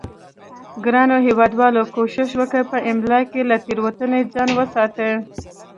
ګرانو هیوادوالو کوشش وکړئ په املا کې له تیروتنې ځان وساتئ